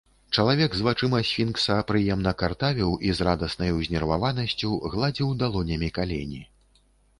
Чалавек з вачыма сфінкса прыемна картавіў і з радаснай узнерваванасцю гладзіў далонямі калені.